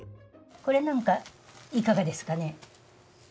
これなんかいかがですかね？